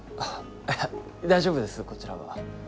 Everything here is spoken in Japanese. いや大丈夫ですこちらは。